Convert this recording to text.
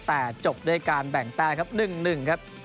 แต่จบด้วยการแบ่งแต้มครับ๑๑ครับ